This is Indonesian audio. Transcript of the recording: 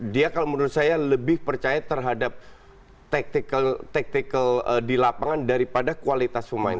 dia kalau menurut saya lebih percaya terhadap tactical di lapangan daripada kualitas pemain